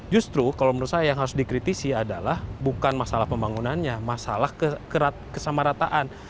justru kalau menurut saya yang harus dikritisi adalah bukan masalah pembangunannya masalah kesamarataan